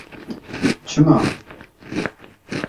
Çima?